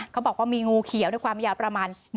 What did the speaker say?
เขาบอกว่ามีงูเขียวในความยาวประมาณ